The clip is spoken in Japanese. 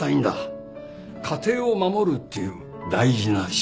家庭を守るっていう大事な仕事を。